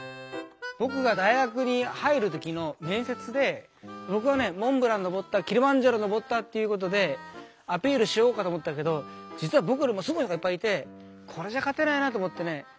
ぼくが大学に入る時のめんせつでぼくはねモンブランのぼったキリマンジャロのぼったということでアピールしようかと思ったけどじつはぼくよりもすごいやつがいっぱいいてこれじゃかてないなと思ってね